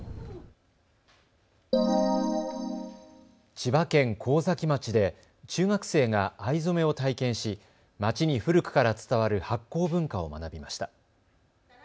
千葉県神崎町で中学生が藍染めを体験し町に古くから伝わる発酵文化を学びました。